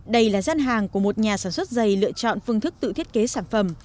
đây là gian hàng của một nhà sản xuất giày lựa chọn phương thức tự thiết kế sản phẩm